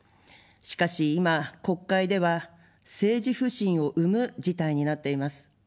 しかし今、国会では政治不信を生む事態になっています。